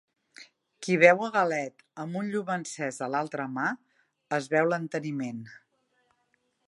Qui beu a galet amb un llum encès a l'altra mà, es beu l'enteniment.